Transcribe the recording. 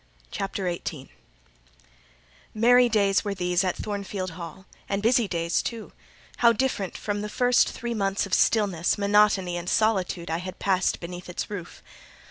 CHAPTER XVIII Merry days were these at Thornfield Hall; and busy days too: how different from the first three months of stillness, monotony, and solitude I had passed beneath its roof!